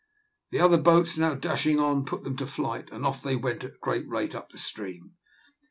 The other boats, now dashing on, put them to flight, and off they went at a great rate up the stream.